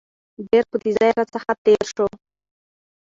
ډېر په تېزى راڅخه تېر شو.